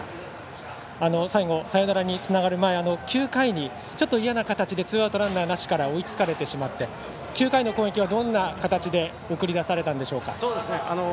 最後、サヨナラにつながる前９回にちょっと嫌な形でツーアウト、ランナーなしから追いつかれてしまって９回の攻撃はどんな形で送り出されましたか。